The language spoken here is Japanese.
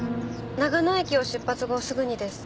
長野駅を出発後すぐにです。